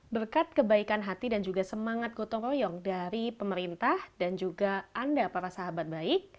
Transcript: berkat kebaikan hati dan juga semangat gotong royong dari pemerintah dan juga anda para sahabat baik